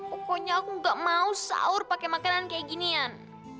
pokoknya aku gak mau sahur pakai makanan kayak ginian